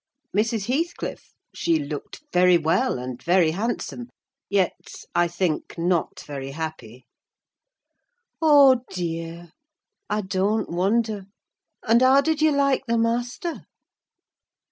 "Mrs. Heathcliff? she looked very well, and very handsome; yet, I think, not very happy." "Oh dear, I don't wonder! And how did you like the master?"